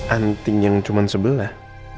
anting yang cuma sebelah